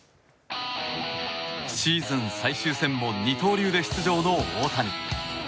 シーズン最終戦も二刀流で出場の大谷。